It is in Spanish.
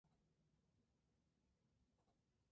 Al año subsiguiente sacó "Wata-Wara".